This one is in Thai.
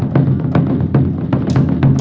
โชว์เค็นโด